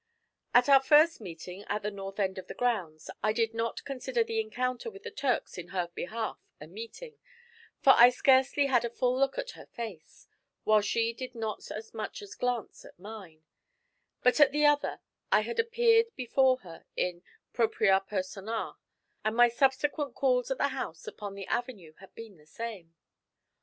At our first meeting, at the north end of the grounds, I did not consider the encounter with the Turks in her behalf a meeting, for I scarcely had a full look at her face, while she did not so much as glance at mine; but at the other I had appeared before her in propriâ personâ, and my subsequent calls at the house upon the avenue had been the same.